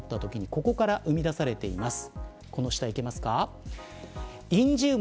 ここから生み出されています。